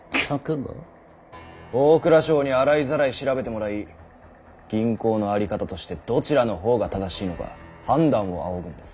大蔵省に洗いざらい調べてもらい銀行の在り方としてどちらの方が正しいのか判断を仰ぐんです。